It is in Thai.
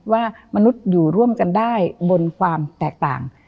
ว่ามนุษย์อยู่ร่วมกันได้บนความแตกต่าง